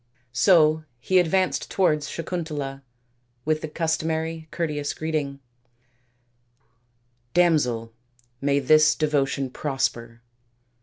So he advanced towards Sakuntala with the customary courteous greeting, " Damsel, may this devotion prosper."